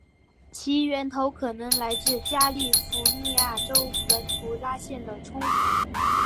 其源头可能来自加利福尼亚州文图拉县的葱。